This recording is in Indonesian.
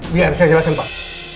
biar saya jelasin pak